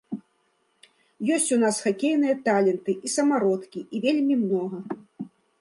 Ёсць у нас хакейныя таленты і самародкі, і вельмі многа!